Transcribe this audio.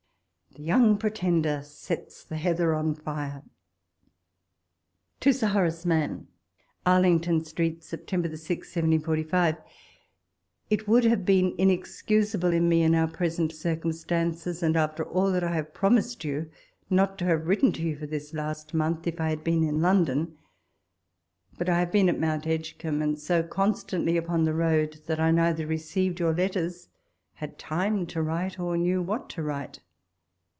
... THE YOryG PltKIEyDEB SETS THE HEATHER Oy FIRE. To Sir Horace Manx. Arlington Street, Sept. 6, 1745. It would have been inexcusable in me, in our present circumstances, and after all I have promised you, not to have written to you for this last month, if I had been in London ; but I have been at Mount Edgecumbe, and so con .stantly upon the road, that I neither received your letters, had time to write, or knew what to write.